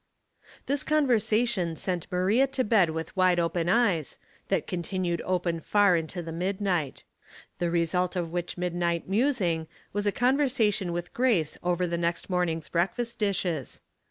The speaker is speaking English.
This conversation sent ^laria to bed with wide open eyes, that continued open far into the midnight. The result of which midnight musing was a conversation with Grace over the next morning's breakfast dishes.